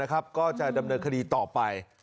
ก็จะดำเนินคดีต่อไป